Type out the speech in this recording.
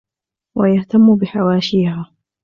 وَيَهْتَمُّ بِحَوَاشِيهَا